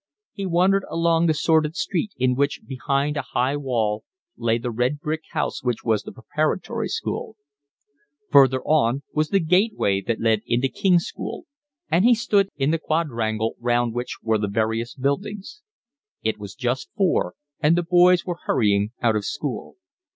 He wandered along the sordid street in which, behind a high wall, lay the red brick house which was the preparatory school. Further on was the gateway that led into King's School, and he stood in the quadrangle round which were the various buildings. It was just four and the boys were hurrying out of school.